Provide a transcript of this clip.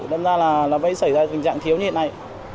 nên ra là nó mới xảy ra tình trạng thiếu như hiện nay